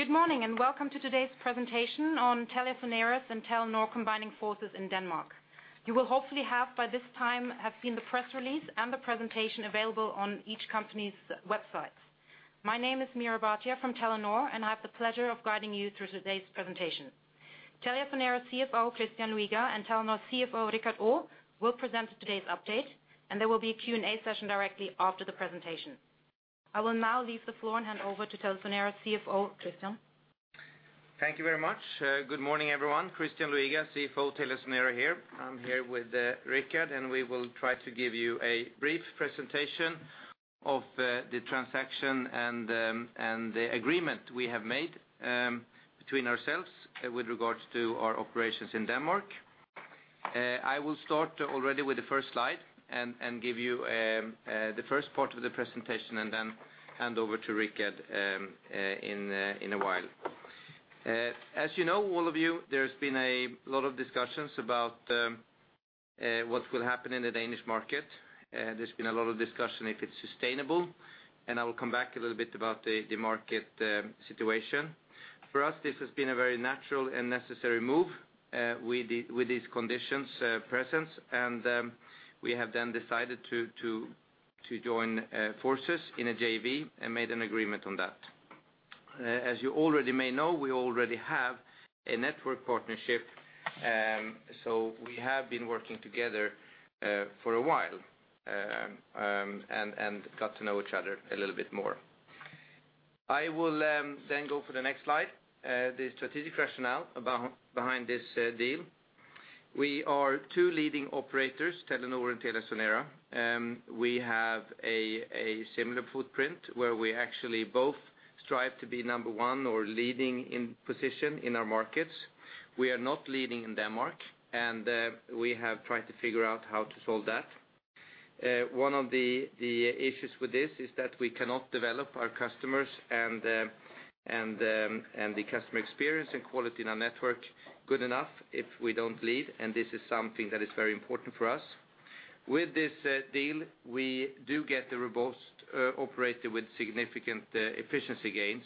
Good morning, and welcome to today's presentation on TeliaSonera and Telenor combining forces in Denmark. You will hopefully have, by this time, seen the press release and the presentation available on each company's website. My name is Meera Bhatia from Telenor, and I have the pleasure of guiding you through today's presentation. TeliaSonera CFO, Christian Luiga, and Telenor CFO, Richard Olav Aa, will present today's update, and there will be a Q&A session directly after the presentation. I will now leave the floor and hand over to TeliaSonera CFO, Christian. Thank you very much. Good morning, everyone. Christian Luiga, CFO, TeliaSonera, here. I'm here with Richard, and we will try to give you a brief presentation of the transaction and the agreement we have made between ourselves with regards to our operations in Denmark. I will start already with the first slide and give you the first part of the presentation and then hand over to Richard in a while. As you know, all of you, there's been a lot of discussions about what will happen in the Danish market, and there's been a lot of discussion if it's sustainable, and I will come back a little bit about the market situation. For us, this has been a very natural and necessary move, with these conditions, presence, and we have then decided to join forces in a JV and made an agreement on that. As you already may know, we already have a network partnership, so we have been working together for a while, and got to know each other a little bit more. I will then go for the next slide, the strategic rationale behind this deal. We are two leading operators, Telenor and TeliaSonera, we have a similar footprint, where we actually both strive to be number one or leading in position in our markets. We are not leading in Denmark, and we have tried to figure out how to solve that. One of the issues with this is that we cannot develop our customers and the customer experience and quality in our network good enough if we don't lead, and this is something that is very important for us. With this deal, we do get the robust operator with significant efficiency gains.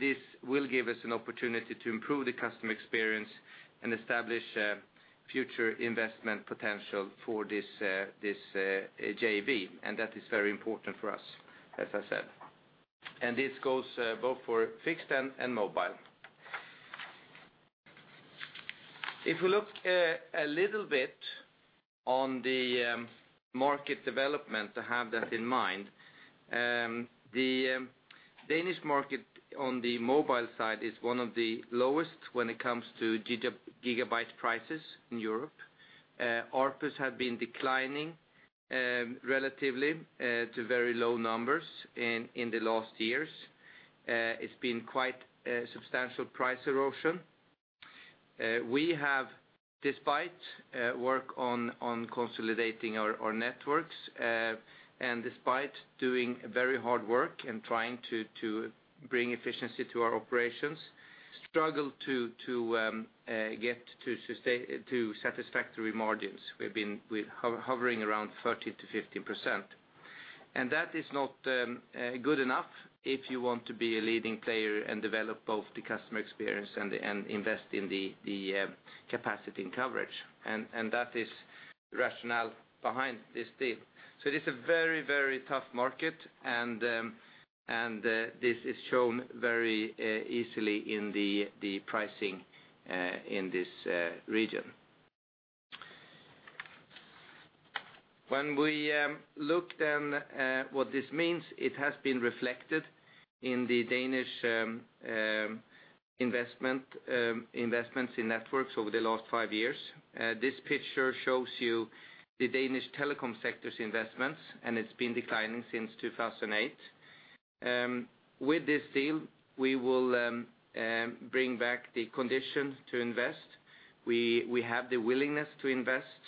This will give us an opportunity to improve the customer experience and establish a future investment potential for this JV, and that is very important for us, as I said. And this goes both for fixed and mobile. If we look a little bit on the market development to have that in mind, the Danish market on the mobile side is one of the lowest when it comes to gigabyte prices in Europe. ARPU has had been declining relatively to very low numbers in the last years. It's been quite a substantial price erosion. We have, despite work on consolidating our networks, and despite doing very hard work and trying to bring efficiency to our operations, struggle to get to satisfactory margins. We've been, we're hovering around 30%-50%. And that is not good enough if you want to be a leading player and develop both the customer experience and invest in the capacity and coverage, and that is the rationale behind this deal. So it is a very, very tough market, and this is shown very easily in the pricing in this region. When we look then at what this means, it has been reflected in the Danish investments in networks over the last five years. This picture shows you the Danish telecom sector's investments, and it's been declining since 2008. With this deal, we will bring back the conditions to invest. We have the willingness to invest,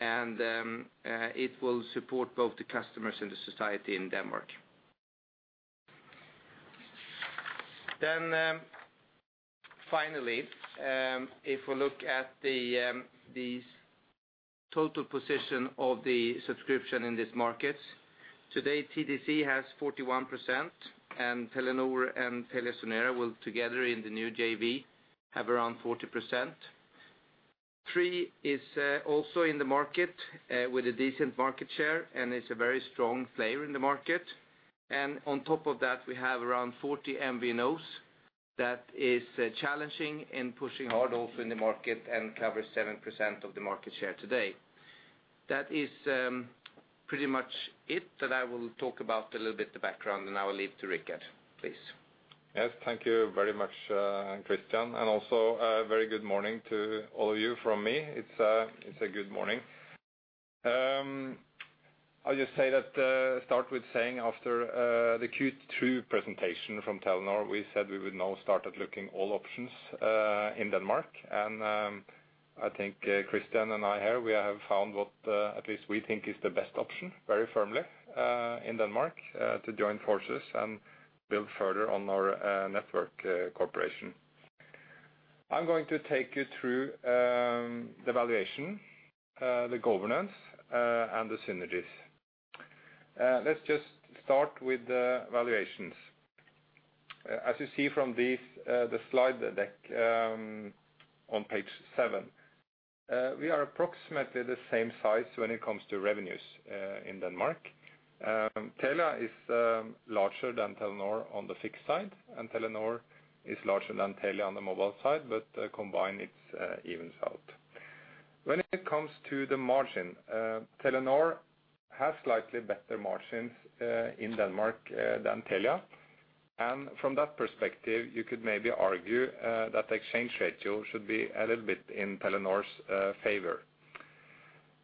and it will support both the customers and the society in Denmark. Then, finally, if we look at the total position of the subscription in these markets, today, TDC has 41%, and Telenor and TeliaSonera will together in the new JV have around 40%. Three is also in the market with a decent market share, and it's a very strong player in the market. On top of that, we have around 40 MVNOs that is challenging and pushing hard also in the market and cover 7% of the market share today. That is, pretty much it, that I will talk about a little bit the background, and I will leave to Richard, please. Yes, thank you very much, Christian, and also a very good morning to all of you from me. It's a, it's a good morning. I'll just say that, start with saying after the Q2 presentation from Telenor, we said we would now start at looking all options in Denmark. I think, Christian and I here, we have found what at least we think is the best option, very firmly in Denmark to join forces and build further on our network cooperation. I'm going to take you through the valuation, the governance, and the synergies. Let's just start with the valuations. As you see from this, the slide deck, on page 7, we are approximately the same size when it comes to revenues in Denmark. Telia is larger than Telenor on the fixed side, and Telenor is larger than Telia on the mobile side, but combined, it's evens out. When it comes to the margin, Telenor has slightly better margins in Denmark than Telia, and from that perspective, you could maybe argue that the exchange ratio should be a little bit in Telenor's favor.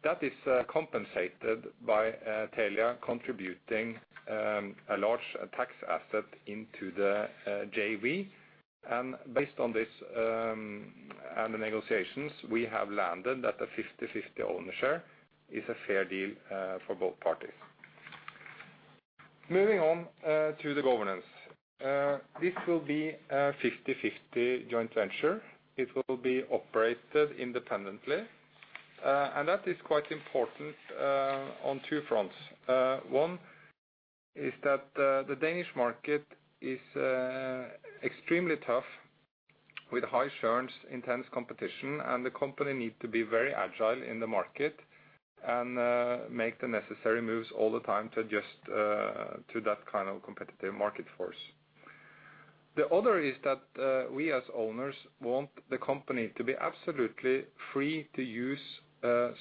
That is, compensated by, Telia contributing, a large tax asset into the, JV, and based on this, and the negotiations, we have landed at a 50/50 ownership is a fair deal, for both parties. Moving on, to the governance. This will be a 50/50 joint venture. It will be operated independently, and that is quite important, on two fronts. One is that, the Danish market is, extremely tough with high churns, intense competition, and the company need to be very agile in the market and, make the necessary moves all the time to adjust, to that kind of competitive market force. The other is that, we, as owners, want the company to be absolutely free to use,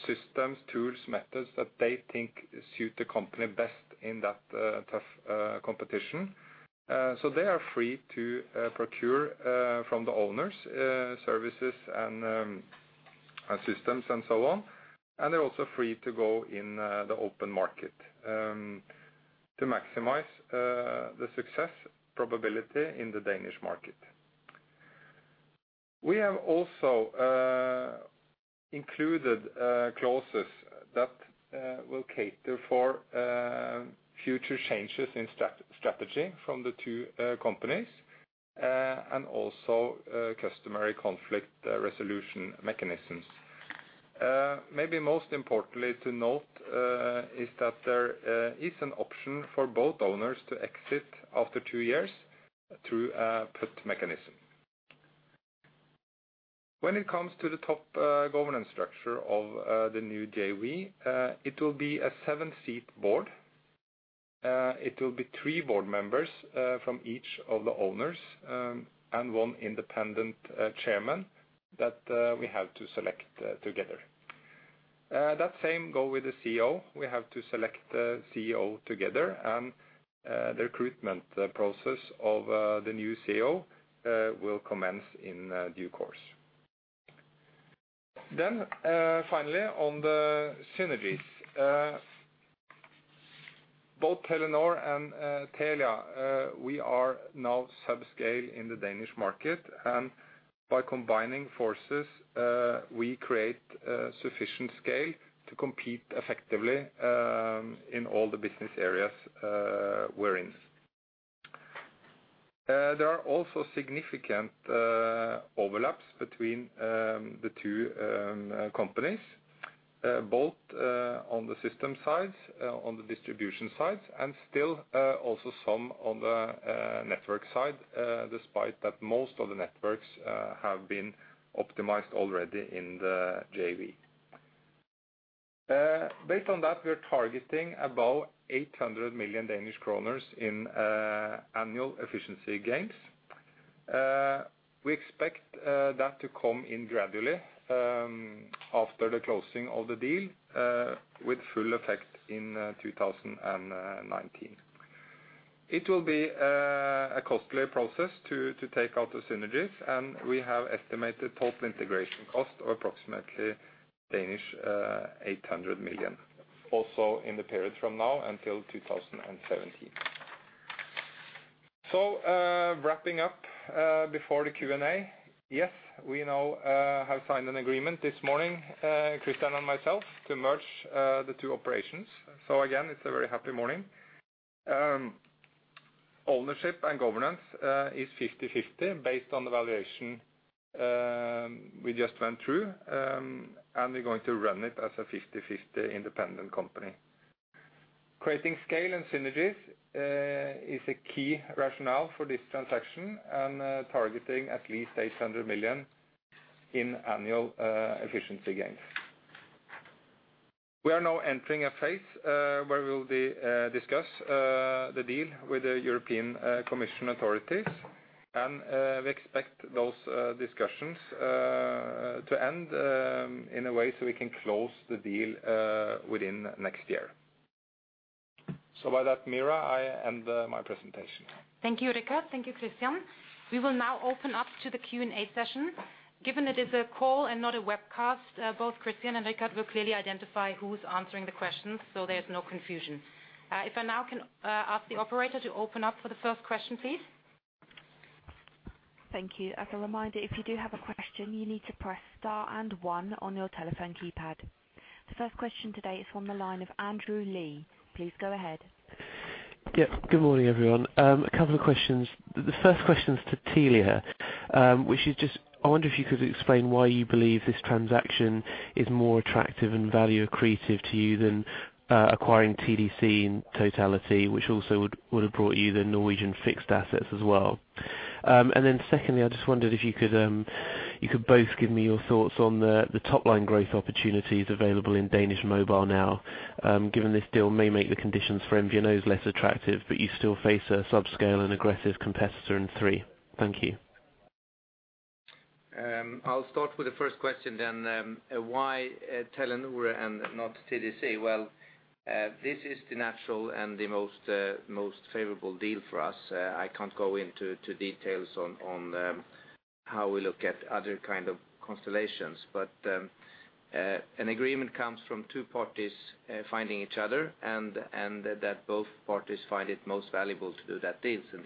systems, tools, methods that they think suit the company best in that, tough, competition. So they are free to procure from the owners services and systems and so on, and they're also free to go in the open market to maximize the success probability in the Danish market. We have also included clauses that will cater for future changes in strategy from the two companies and also customary conflict resolution mechanisms. Maybe most importantly to note is that there is an option for both owners to exit after two years through a put mechanism. When it comes to the top governance structure of the new JV, it will be a seven-seat board. It will be three board members from each of the owners and one independent chairman that we have to select together. That same goes with the CEO. We have to select the CEO together, and the recruitment process of the new CEO will commence in due course. Then, finally, on the synergies. Both Telenor and Telia, we are now subscale in the Danish market, and by combining forces, we create sufficient scale to compete effectively in all the business areas we're in. There are also significant overlaps between the two companies, both on the system sides, on the distribution sides, and still also some on the network side, despite that most of the networks have been optimized already in the JV. Based on that, we are targeting about 800 million Danish kroner in annual efficiency gains. We expect that to come in gradually after the closing of the deal, with full effect in 2019. It will be a costly process to take out the synergies, and we have estimated total integration cost of approximately 800 million, also in the period from now until 2017. So, wrapping up before the Q&A, yes, we now have signed an agreement this morning, Christian and myself, to merge the two operations. So again, it's a very happy morning. Ownership and governance is 50/50 based on the valuation we just went through, and we're going to run it as a 50/50 independent company. Creating scale and synergies is a key rationale for this transaction and targeting at least 800 million in annual efficiency gains. We are now entering a phase where we will be discussing the deal with the European Commission authorities, and we expect those discussions to end in a way so we can close the deal within next year. So with that, Meera, I end my presentation. Thank you, Richard. Thank you, Christian. We will now open up to the Q&A session. Given it is a call and not a webcast, both Christian and Richard will clearly identify who's answering the questions, so there's no confusion. If I now can ask the operator to open up for the first question, please. Thank you. As a reminder, if you do have a question, you need to press star and one on your telephone keypad. The first question today is from the line of Andrew Lee. Please go ahead. Yep, good morning, everyone. A couple of questions. The first question is to Telia, which is just, I wonder if you could explain why you believe this transaction is more attractive and value accretive to you than acquiring TDC in totality, which also would have brought you the Norwegian fixed assets as well? And then secondly, I just wondered if you could, you could both give me your thoughts on the top line growth opportunities available in Danish mobile now, given this deal may make the conditions for MVNOs less attractive, but you still face a sub-scale and aggressive competitor in three. Thank you. I'll start with the first question then. Why Telenor and not TDC? Well, this is the natural and the most favorable deal for us. I can't go into details on how we look at other kind of constellations. But an agreement comes from two parties finding each other, and that both parties find it most valuable to do that deal. So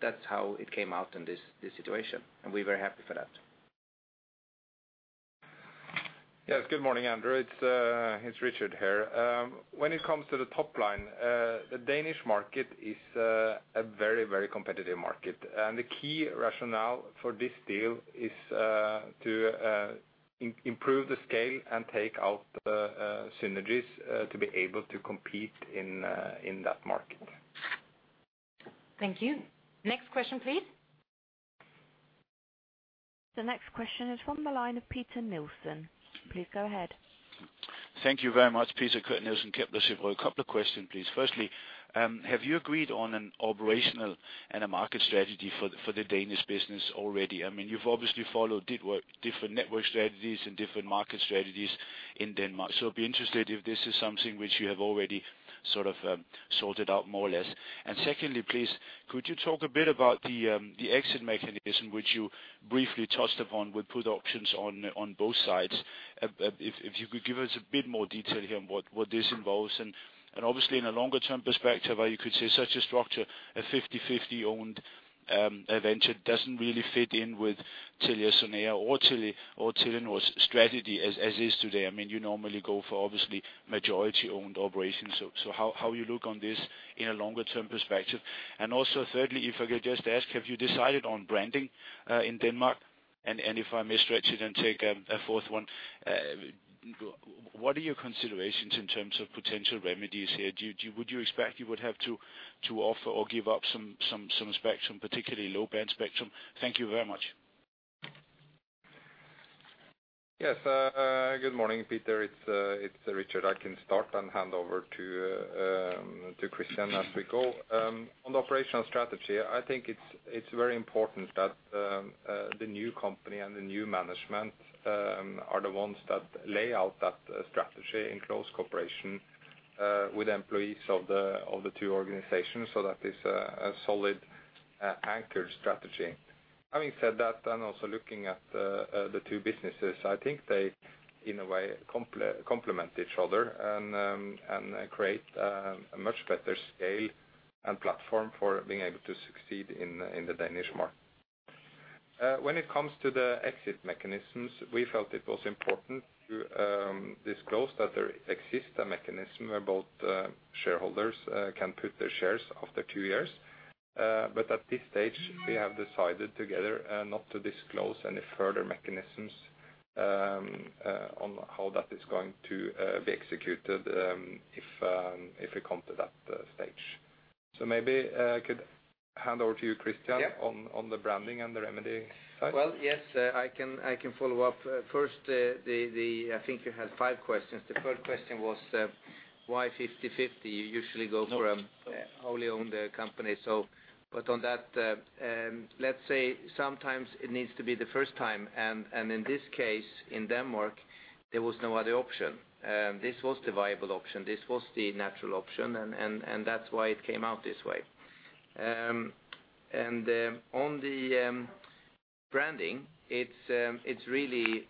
that's how it came out in this situation, and we're very happy for that. Yes, good morning, Andrew. It's Richard here. When it comes to the top line, the Danish market is a very, very competitive market, and the key rationale for this deal is to improve the scale and take out synergies to be able to compete in that market. Thank you. Next question, please. The next question is from the line of Peter Nielsen. Please go ahead. Thank you very much, Peter Nielsen, Kepler Cheuvreux. A couple of questions, please. Firstly, have you agreed on an operational and a market strategy for the, for the Danish business already? I mean, you've obviously followed different network strategies and different market strategies in Denmark. So I'd be interested if this is something which you have already sort of sorted out more or less. And secondly, please, could you talk a bit about the the exit mechanism, which you briefly touched upon, with put options on both sides? If you could give us a bit more detail here on what this involves. And obviously, in a longer term perspective, how you could say such a structure, a 50/50 owned venture doesn't really fit in with TeliaSonera or Telenor's strategy as is today. I mean, you normally go for obviously majority-owned operations, so, so how, how you look on this in a longer term perspective? And also, thirdly, if I could just ask, have you decided on branding, in Denmark? And if I may stretch it and take a fourth one, what are your considerations in terms of potential remedies here? Do you, would you expect you would have to, to offer or give up some spectrum, particularly low-band spectrum? Thank you very much. Yes, good morning, Peter. It's Richard. I can start and hand over to Christian as we go. On the operational strategy, I think it's very important that the new company and the new management are the ones that lay out that strategy in close cooperation with employees of the two organizations, so that is a solid, anchored strategy. Having said that, and also looking at the two businesses, I think they, in a way, complement each other and create a much better scale and platform for being able to succeed in the Danish market. When it comes to the exit mechanisms, we felt it was important to disclose that there exists a mechanism where both shareholders can put their shares after two years. But at this stage, we have decided together not to disclose any further mechanisms on how that is going to be executed, if we come to that stage. So maybe I could hand over to you, Christian. Yeah. On the branding and the remedy side. Well, yes, I can follow up. First, I think you had five questions. The first question was, why 50/50? You usually go for wholly owned company. So, but on that, let's say sometimes it needs to be the first time, and in this case, in Denmark, there was no other option. This was the viable option. This was the natural option, and that's why it came out this way. And on the branding, it's really,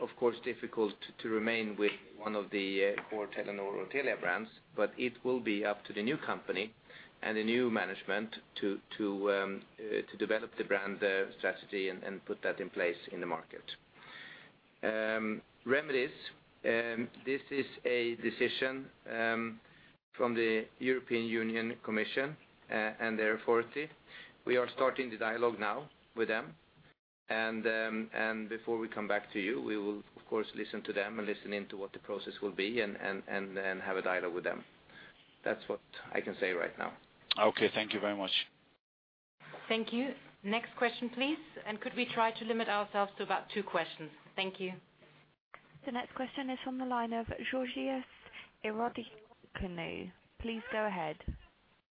of course, difficult to remain with one of the or Telenor or Telia brands, but it will be up to the new company and the new management to develop the brand strategy and put that in place in the market. Remedies, this is a decision from the European Union Commission, and their authority. We are starting the dialogue now with them, and before we come back to you, we will, of course, listen to them and listen in to what the process will be and then have a dialogue with them. That's what I can say right now. Okay. Thank you very much. Thank you. Next question, please. Could we try to limit ourselves to about two questions? Thank you. The next question is on the line of Georgios Ierodiaconou. Please go ahead.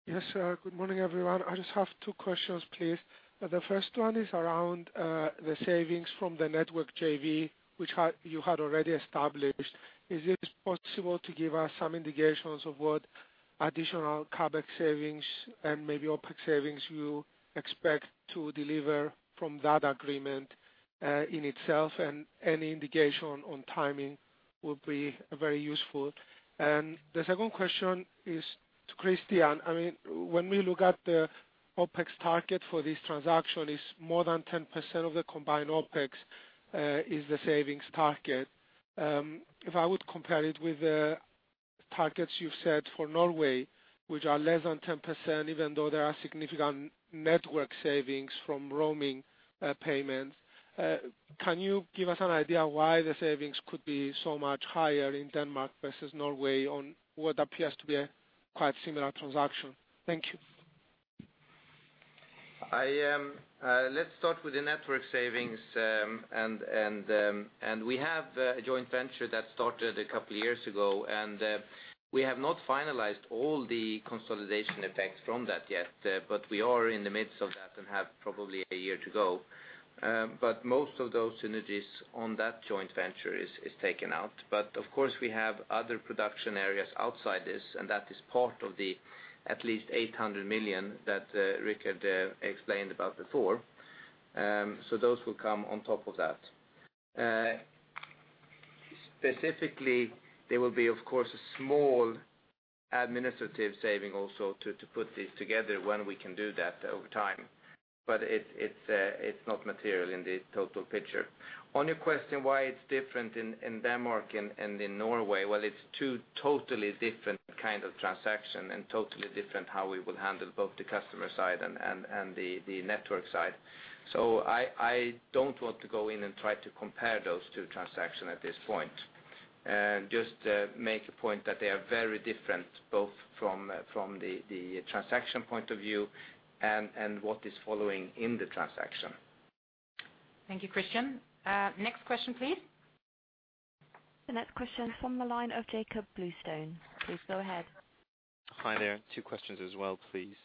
Yes, sir. Good morning, everyone. I just have two questions, please. The first one is around the savings from the network JV, which had, you had already established. Is it possible to give us some indications of what additional CapEx savings and maybe OpEx savings you expect to deliver from that agreement, in itself, and any indication on timing would be very useful. And the second question is to Christian. I mean, when we look at the OpEx target for this transaction, it's more than 10% of the combined OpEx, is the savings target. If I would compare it with the targets you've set for Norway, which are less than 10%, even though there are significant network savings from roaming, payments, can you give us an idea why the savings could be so much higher in Denmark versus Norway on what appears to be a quite similar transaction? Thank you. Let's start with the network savings. We have a joint venture that started a couple of years ago, and we have not finalized all the consolidation effects from that yet, but we are in the midst of that and have probably a year to go. But most of those synergies on that joint venture is taken out. But of course, we have other production areas outside this, and that is part of the at least 800 million that Richard explained about before. So those will come on top of that. Specifically, there will be, of course, a small administrative saving also to put this together when we can do that over time, but it's not material in the total picture. On your question, why it's different in Denmark and in Norway? Well, it's two totally different kind of transaction and totally different how we will handle both the customer side and the network side. So I don't want to go in and try to compare those two transaction at this point. And just make a point that they are very different, both from the transaction point of view and what is following in the transaction. Thank you, Christian. Next question, please. The next question from the line of Jacob Bluestone. Please go ahead. Hi there. Two questions as well, please.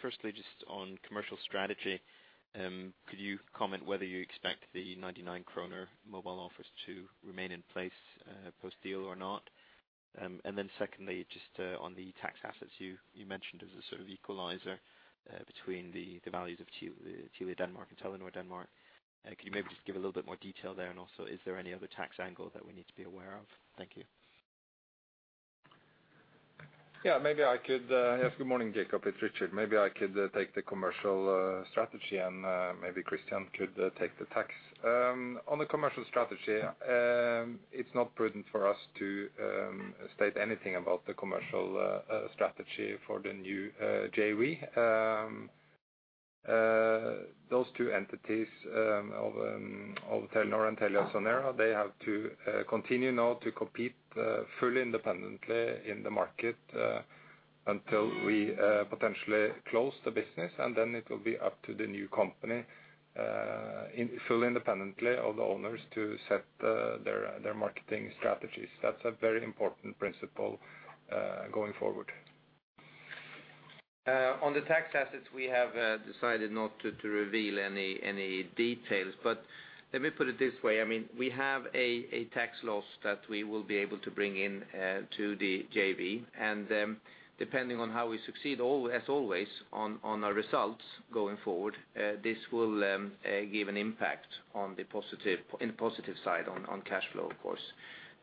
Firstly, just on commercial strategy, could you comment whether you expect the 99 kroner mobile offers to remain in place, post-deal or not? And then secondly, just, on the tax assets you mentioned as a sort of equalizer, between the values of Telia Denmark and Telenor Denmark. Can you maybe just give a little bit more detail there? And also, is there any other tax angle that we need to be aware of? Thank you. Yeah, maybe I could. Yes, good morning, Jacob, it's Richard. Maybe I could take the commercial strategy, and maybe Christian could take the tax. On the commercial strategy, it's not prudent for us to state anything about the commercial strategy for the new JV. Those two entities of Telenor and TeliaSonera, they have to continue now to compete fully independently in the market until we potentially close the business, and then it will be up to the new company in fully independently of the owners to set their, their marketing strategies. That's a very important principle going forward. On the tax assets, we have decided not to reveal any details. But let me put it this way, I mean, we have a tax loss that we will be able to bring in to the JV. And, depending on how we succeed, as always, on our results going forward, this will give an impact on the positive, in the positive side, on cash flow, of course.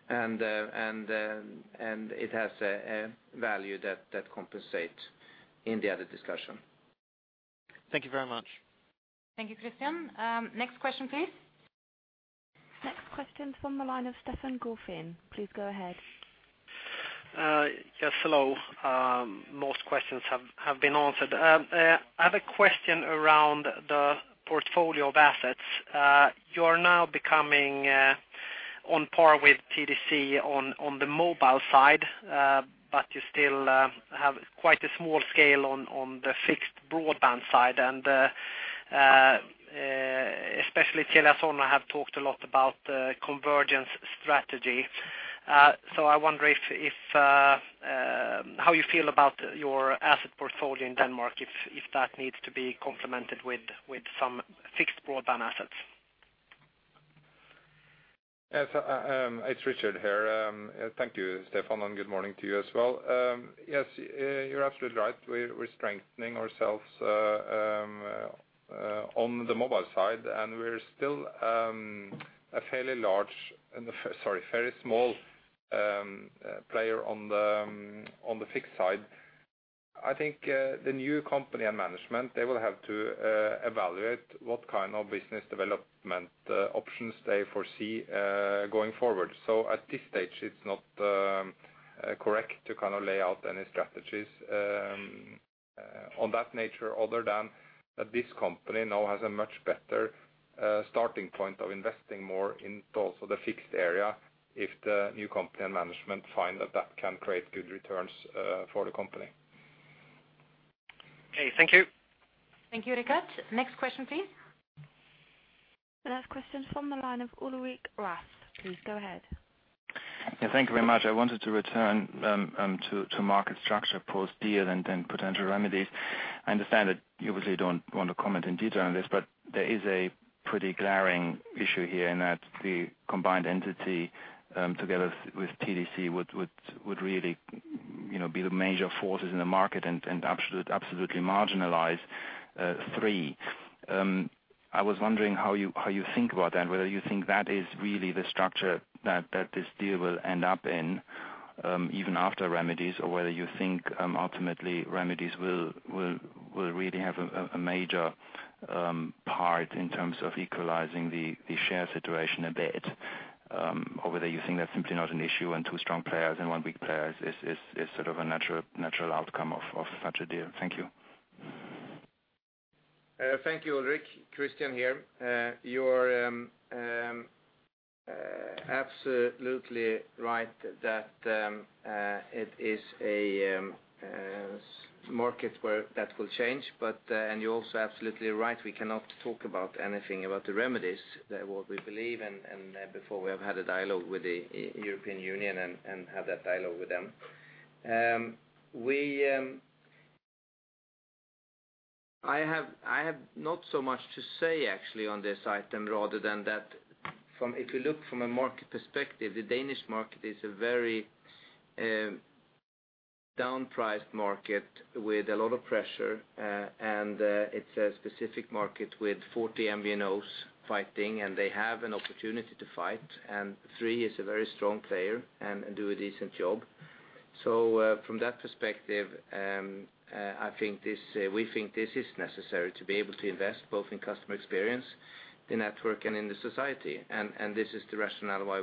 And, and it has a value that compensate in the other discussion. Thank you very much. Thank you, Christian. Next question, please. Next question from the line of Stefan Gauffin. Please go ahead. Yes, hello. Most questions have been answered. I have a question around the portfolio of assets. You are now becoming on par with TDC on the mobile side, but you still have quite a small scale on the fixed broadband side. Especially TeliaSonera have talked a lot about the convergence strategy. So I wonder if how you feel about your asset portfolio in Denmark, if that needs to be complemented with some fixed broadband assets? Yes, it's Richard here. Thank you, Stefan, and good morning to you as well. Yes, you're absolutely right. We're strengthening ourselves on the mobile side, and we're still a fairly large, sorry, very small player on the fixed side. I think the new company and management will have to evaluate what kind of business development options they foresee going forward. So at this stage, it's not correct to kind of lay out any strategies on that nature, other than that this company now has a much better starting point of investing more in also the fixed area, if the new company and management find that that can create good returns for the company. Okay. Thank you. Thank you, Richard. Next question, please. The next question from the line of Ulrich Rathe. Please go ahead. Yeah, thank you very much. I wanted to return to market structure post-deal and then potential remedies. I understand that you obviously don't want to comment in detail on this, but there is a pretty glaring issue here in that the combined entity, together with TDC, would really, you know, be the major forces in the market and absolutely marginalize three. I was wondering how you think about that, and whether you think that is really the structure that this deal will end up in? Even after remedies, or whether you think ultimately remedies will really have a major part in terms of equalizing the share situation a bit? Or whether you think that's simply not an issue, and two strong players and one big player is sort of a natural outcome of such a deal. Thank you. Thank you, Ulrich. Christian here. You're absolutely right that it is a market where that will change. But, and you're also absolutely right, we cannot talk about anything about the remedies, that what we believe, and before we have had a dialogue with the European Union and have that dialogue with them. I have not so much to say actually on this item, rather than that from if you look from a market perspective, the Danish market is a very downpriced market with a lot of pressure. And it's a specific market with 40 MVNOs fighting, and they have an opportunity to fight, and Three is a very strong player and do a decent job. So, from that perspective, I think this, we think this is necessary to be able to invest both in customer experience, the network, and in the society. And this is the rationale why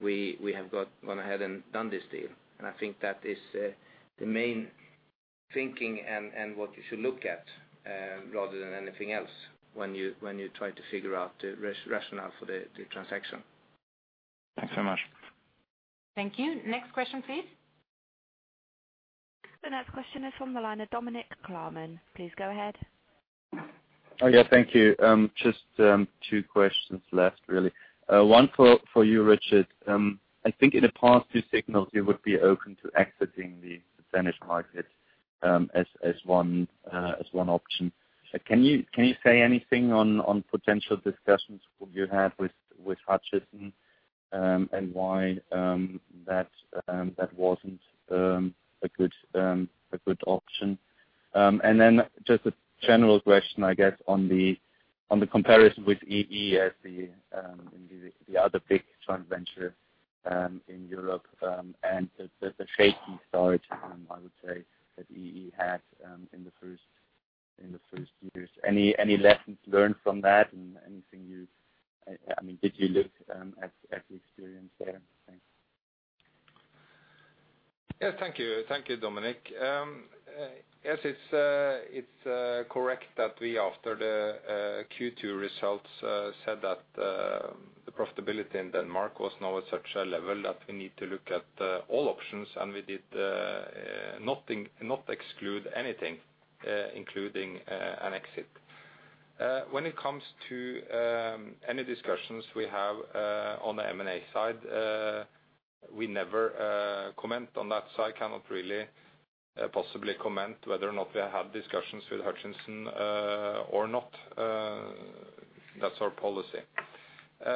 we have gone ahead and done this deal. And I think that is the main thinking and what you should look at, rather than anything else when you try to figure out the rationale for the transaction. Thanks so much. Thank you. Next question, please. The next question is from the line of Dominik Klarmann. Please go ahead. Oh, yeah, thank you. Just two questions left, really. One for you, Richard. I think in the past you signaled you would be open to exiting the Danish market, as one option. Can you say anything on potential discussions you had with Hutchison, and why that wasn't a good option? And then just a general question, I guess, on the comparison with EE as the other big joint venture in Europe, and the shaky start, I would say, that EE had in the first years. Any lessons learned from that and anything you. I mean, did you look at the experience there? Thanks. Yeah, thank you. Thank you, Dominic. Yes, it's correct that we, after the Q2 results, said that the profitability in Denmark was now at such a level that we need to look at all options, and we did nothing, not exclude anything, including an exit. When it comes to any discussions we have on the M&A side, we never comment on that, so I cannot really possibly comment whether or not we have had discussions with Hutchison or not. That's our policy.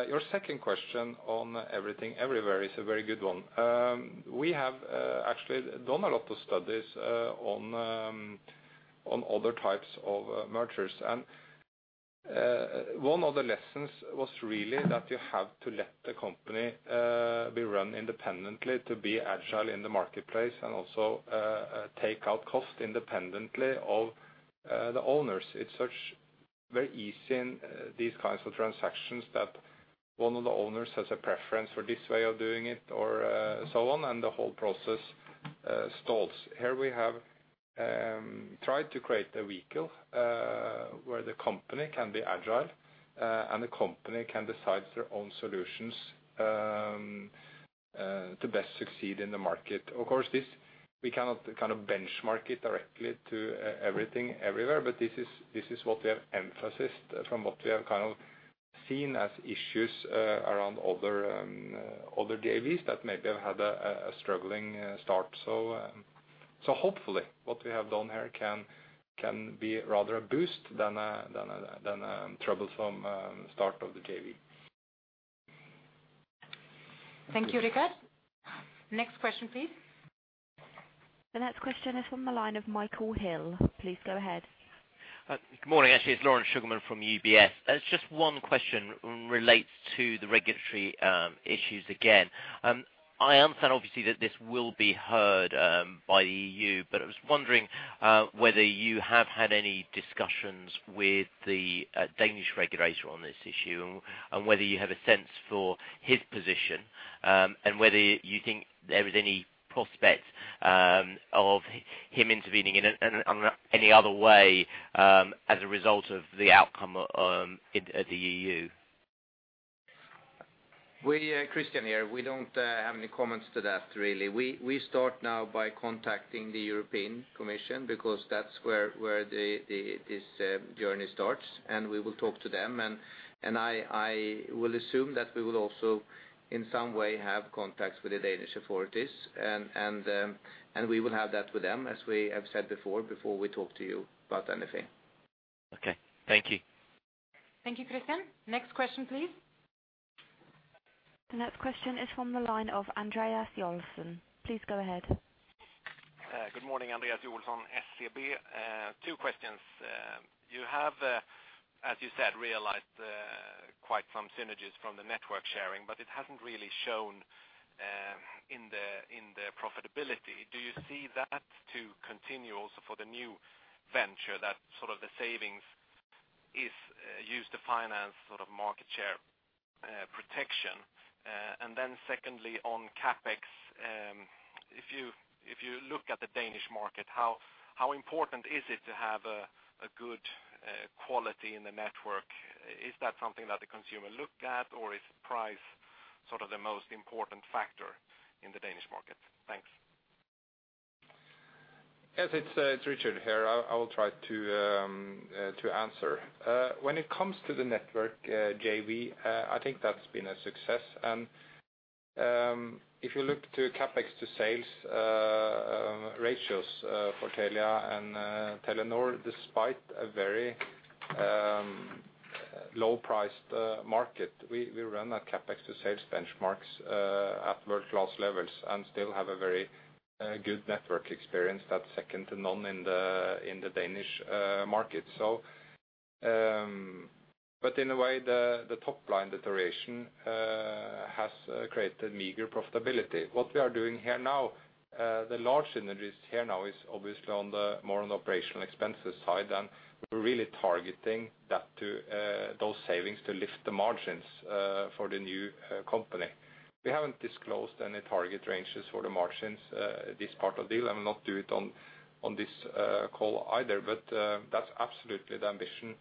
Your second question on Everything Everywhere is a very good one. We have actually done a lot of studies on other types of mergers. One of the lessons was really that you have to let the company be run independently to be agile in the marketplace and also take out cost independently of the owners. It's such very easy in these kinds of transactions that one of the owners has a preference for this way of doing it or so on, and the whole process stalls. Here we have tried to create a vehicle where the company can be agile and the company can decide their own solutions to best succeed in the market. Of course, this we cannot kind of benchmark it directly to EE (Everything Everywhere), but this is what we have emphasized from what we have kind of seen as issues around other JVs that maybe have had a struggling start. So hopefully what we have done here can be rather a boost than a troublesome start of the JV. Thank you, Richard. Next question, please. The next question is from the line of Michael Hill. Please go ahead. Good morning. Actually, it's Lawrence Sugarman from UBS. It's just one question relates to the regulatory issues again. I understand obviously, that this will be heard by the EU, but I was wondering whether you have had any discussions with the Danish regulator on this issue, and whether you have a sense for his position, and whether you think there is any prospect of him intervening in it and, and any other way, as a result of the outcome, in, at the EU? We, Christian here. We don't have any comments to that, really. We start now by contacting the European Commission, because that's where this journey starts, and we will talk to them. I will assume that we will also, in some way, have contacts with the Danish authorities, and we will have that with them, as we have said before we talk to you about anything. Okay. Thank you. Thank you, Christian. Next question, please. The next question is from the line of Andreas Joelsson. Please go ahead. Good morning, Andreas Joelsson, SEB. Two questions. You have, as you said, realized quite some synergies from the network sharing, but it hasn't really shown in the profitability. Do you see that to continue also for the new venture, that sort of the savings is used to finance sort of market share protection? And then secondly, on CapEx, if you look at the Danish market, how important is it to have a good quality in the network? Is that something that the consumer look at, or is price sort of the most important factor in the Danish market? Thanks. Yes, it's, it's Richard here. I, I will try to, to answer. When it comes to the network, JV, I think that's been a success. And, if you look to CapEx to sales, ratios, for Telia and, Telenor, despite a very, low-priced, market, we, we run our CapEx to sales benchmarks, at world-class levels and still have a very, good network experience that's second to none in the, in the Danish, market. So, but in a way, the, the top line deterioration, has, created meager profitability. What we are doing here now, the large synergies here now is obviously on the more on the operational expenses side, and we're really targeting that to, those savings to lift the margins, for the new, company. We haven't disclosed any target ranges for the margins, this part of the deal, and will not do it on this call either. But that's absolutely the ambition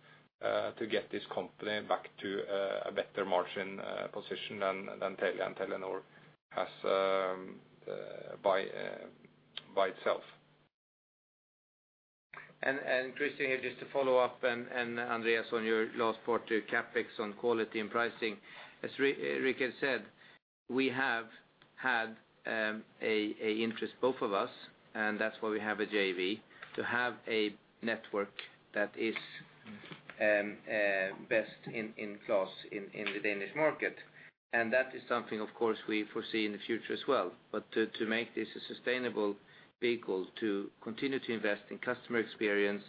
to get this company back to a better margin position than Telia and Telenor has by itself. Christian, just to follow up, Andreas, on your last part to CapEx on quality and pricing. As Richard had said, we have had an interest, both of us, and that's why we have a JV, to have a network that is best in class in the Danish market. And that is something, of course, we foresee in the future as well. But to make this a sustainable vehicle, to continue to invest in customer experience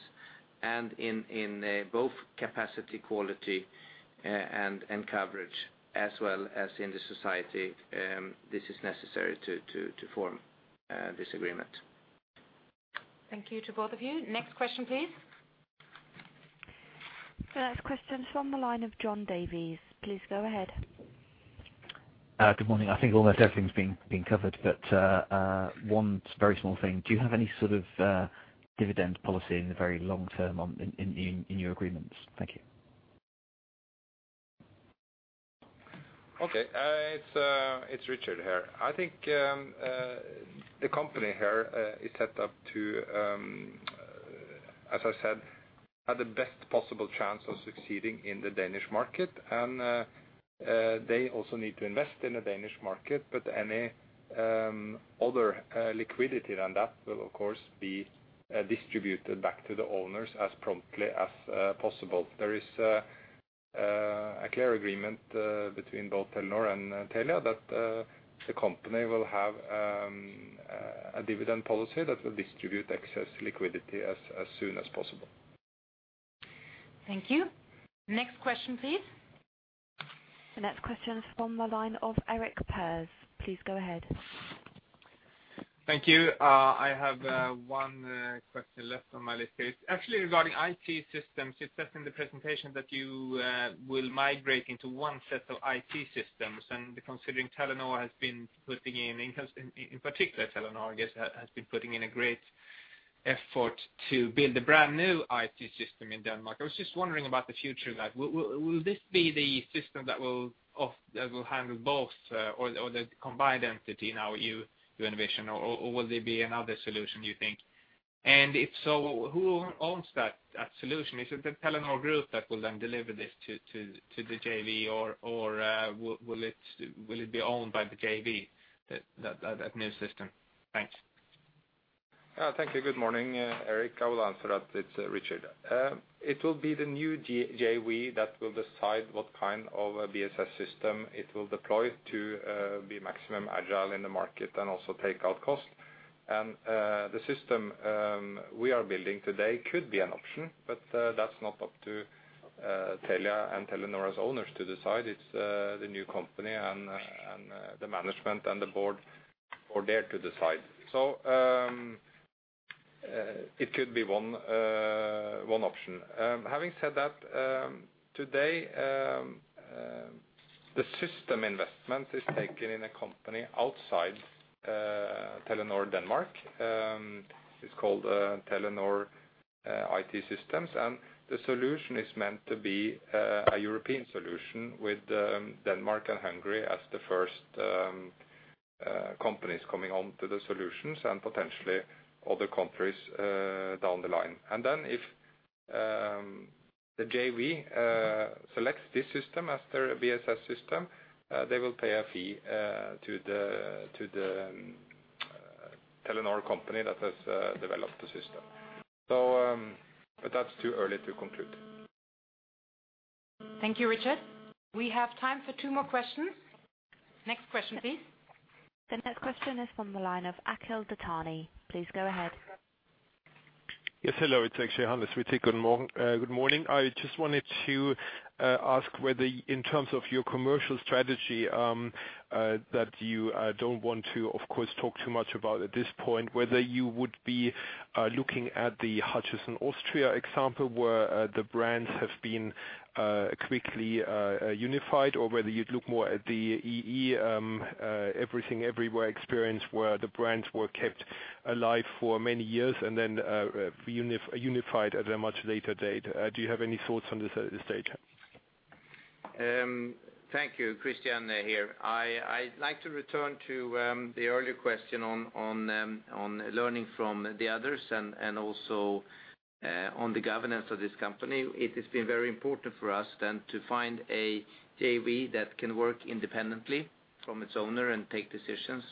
and in both capacity, quality, and coverage as well as in society, this is necessary to form this agreement. Thank you to both of you. Next question, please. The next question is from the line of John Davies. Please go ahead. Good morning. I think almost everything's been covered, but one very small thing. Do you have any sort of dividend policy in the very long term on in your agreements? Thank you. Okay. It's Richard here. I think the company here is set up to, as I said, have the best possible chance of succeeding in the Danish market, and they also need to invest in the Danish market. But any other liquidity than that will of course be distributed back to the owners as promptly as possible. There is a clear agreement between both Telenor and Telia that the company will have a dividend policy that will distribute excess liquidity as soon as possible. Thank you. Next question, please. The next question is from the line of Erik Pers. Please go ahead. Thank you. I have one question left on my list here. Actually, regarding IT systems, you said in the presentation that you will migrate into one set of IT systems. And considering Telenor has been putting in, in particular, Telenor, I guess, has been putting in a great effort to build a brand-new IT system in Denmark. I was just wondering about the future of that. Will this be the system that will off that will handle both, or the combined entity, now you, your innovation, or will there be another solution, you think? And if so, who owns that solution? Is it the Telenor group that will then deliver this to the JV, or will it be owned by the JV, that new system? Thanks. Thank you. Good morning, Erik. I will answer that. It's Richard. It will be the new JV that will decide what kind of a BSS system it will deploy to be maximum agile in the market and also take out costs. And the system we are building today could be an option, but that's not up to Telia and Telenor's owners to decide. It's the new company and the management and the board for there to decide. So it could be one option. Having said that, today the system investment is taken in a company outside Telenor Denmark. It's called Telenor IT Systems, and the solution is meant to be a European solution with Denmark and Hungary as the first companies coming on to the solutions and potentially other countries down the line. And then if the JV selects this system as their BSS system, they will pay a fee to the Telenor company that has developed the system. So, but that's too early to conclude. Thank you, Richard. We have time for two more questions. Next question, please. The next question is from the line of Akhil Dattani. Please go ahead. Yes, hello, it's actually Hannes Wittig. Good morning. I just wanted to ask whether in terms of your commercial strategy, that you don't want to, of course, talk too much about at this point, whether you would be looking at the Hutchison Austria example, where the brands have been quickly unified, or whether you'd look more at the EE, Everything Everywhere experience, where the brands were kept alive for many years and then unified at a much later date. Do you have any thoughts on this at this stage? Thank you, Christian here. I'd like to return to the earlier question on learning from the others and also on the governance of this company. It has been very important for us then to find a JV that can work independently from its owner and take decisions.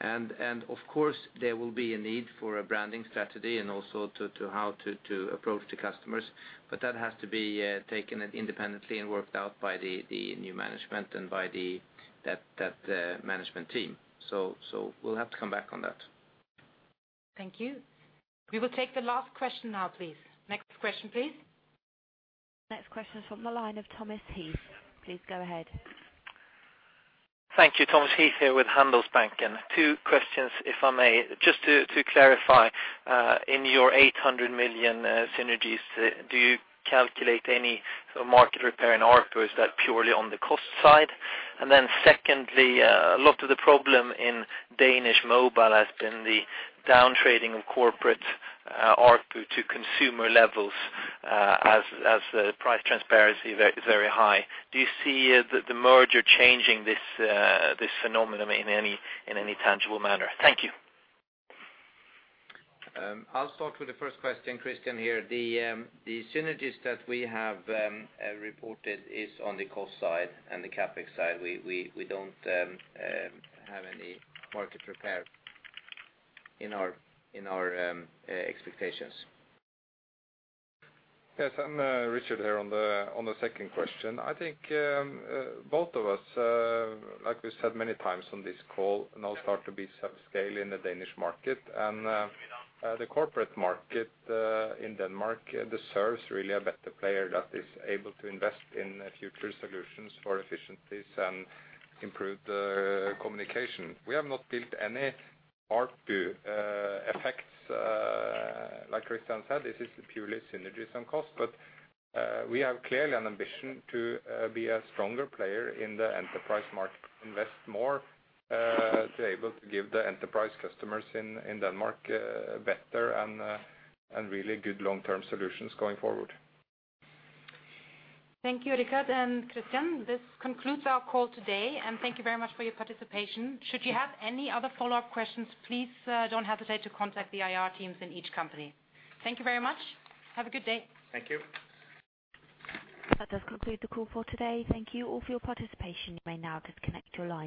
And of course, there will be a need for a branding strategy and also to how to approach the customers. But that has to be taken independently and worked out by the new management and by the management team. So we'll have to come back on that. Thank you. We will take the last question now, please. Next question, please. Next question from the line of Thomas Heath. Please go ahead. Thank you. Thomas Heath here with Handelsbanken. Two questions, if I may. Just to, to clarify, in your 800 million synergies, do you calculate any market repair in ARPU, or is that purely on the cost side? And then secondly, a lot of the problem in Danish Mobile has been the down trading of corporate ARPU to consumer levels, as, as, price transparency very, very high. Do you see the, the merger changing this, this phenomenon in any, in any tangible manner? Thank you. I'll start with the first question, Christian here. The synergies that we have reported is on the cost side and the CapEx side. We don't have any market repair in our expectations. Yes, I'm Richard here on the second question. I think both of us, like we said many times on this call, now start to be subscale in the Danish market. And the corporate market in Denmark deserves really a better player that is able to invest in future solutions for efficiencies and improved communication. We have not built any ARPU effects. Like Christian said, this is purely synergies and cost, but we have clearly an ambition to be a stronger player in the enterprise market, invest more to able to give the enterprise customers in Denmark better and really good long-term solutions going forward. Thank you, Richard and Christian. This concludes our call today, and thank you very much for your participation. Should you have any other follow-up questions, please, don't hesitate to contact the IR teams in each company. Thank you very much. Have a good day. Thank you. That does conclude the call for today. Thank you all for your participation. You may now disconnect your line.